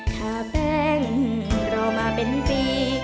ข้าแป้งรอมาเป็นปี